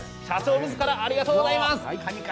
社長みずから、ありがとうございます。